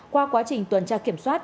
qua quá trình tuần tra kiểm soát